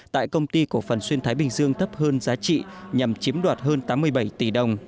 tại công ty cổ phần xuyên thái bình dương thấp hơn giá trị nhằm chiếm đoạt hơn tám mươi bảy tỷ đồng